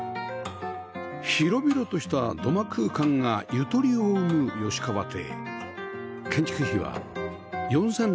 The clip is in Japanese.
広々とした土間空間がゆとりを生む吉川邸